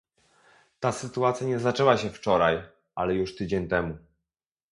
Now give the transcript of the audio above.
Ta sytuacja nie zaczęła się wczoraj, ale już tydzień temu